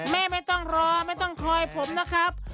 ไม่ต้องรอไม่ต้องคอยผมนะครับ